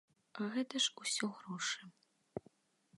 Гэта ж усё грошы.